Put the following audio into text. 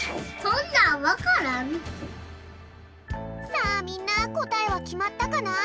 さあみんなこたえはきまったかな？